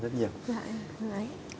dạ em cảm ơn anh